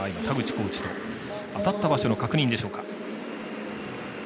コーチと当たった場所の確認でしょうか。